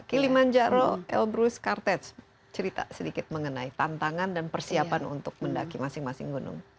kilimanjaro elbrus kartet cerita sedikit mengenai tantangan dan persiapan untuk mendaki masing masing gunung